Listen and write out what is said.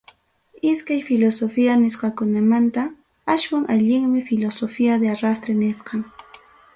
Iskay filosofía nisqakunamantam, aswan allinmi filosofía de arrastre nisqam.